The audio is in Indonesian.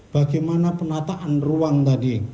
bagaimana penataan ruang tadi